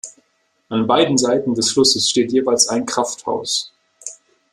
An beiden Seiten des Flusses steht jeweils ein Krafthaus.